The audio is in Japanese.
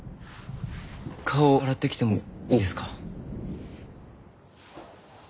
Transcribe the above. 顔洗ってきてもいいですか？